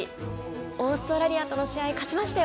オーストラリアとの試合勝ちましたよ！